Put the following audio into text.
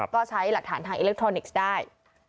ก็ใช้หลักฐานทางอิเล็กทรอนิกส์ได้